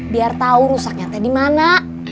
biar tau rusaknya ada dimana